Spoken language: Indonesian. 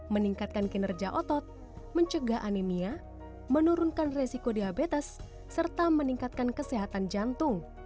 meningkatkan kinerja otot mencegah anemia menurunkan resiko diabetes serta meningkatkan kesehatan jantung